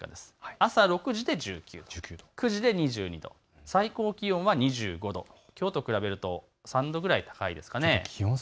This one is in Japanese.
朝６時で１９度、９時で２２度、最高気温は２５度、きょうと比べると３度ぐらい高いです。